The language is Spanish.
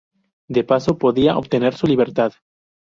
De paso podía obtener su libertad.